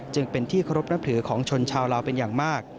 จึงเป็นที่เคารพนับถือของชนชาวลาวเป็นอย่างมาก